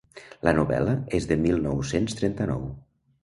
La novel·la és de mil nou-cents trenta-nou.